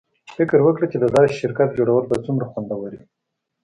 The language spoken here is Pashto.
فکر وکړه چې د داسې شرکت جوړول به څومره خوندور وي